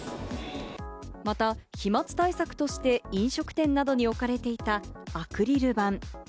また飛沫対策として飲食店などに置かれていたアクリル板。